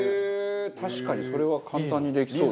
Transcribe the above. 確かにそれは簡単にできそう。